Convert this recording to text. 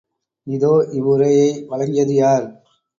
இதோ இவ்வுரையை வழங்கியது யார்?